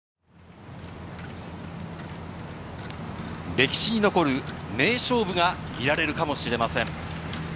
歴史に残る名勝負が見られるかもしれません。